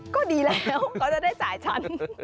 ก็ดีแล้วเขาจะได้สายฉัน